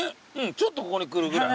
ちょっとここにくるぐらい。